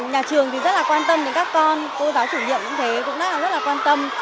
nhà trường thì rất là quan tâm đến các con cô giáo chủ nhiệm cũng thế cũng rất là quan tâm